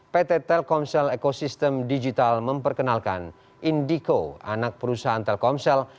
pt telkomsel ecosystem digital memperkenalkan indico anak perusahaan telkomsel